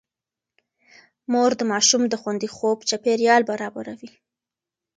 مور د ماشوم د خوندي خوب چاپېريال برابروي.